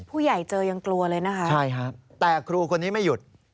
ผู้ใหญ่เจอยังกลัวเลยนะคะใช่ครับแต่ครูคนนี้ไม่หยุด